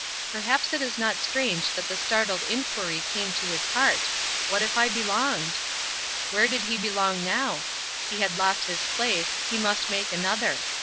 Perhaps it is not strange that the startled inquiry came to his heart: What if I belonged? Where did he belong now? He had lost his place; he must make another.